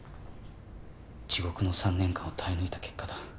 地獄の３年間を耐え抜いた結果だ。